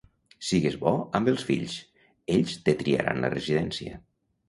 Sigues bo amb els fills; ells te triaran la residència.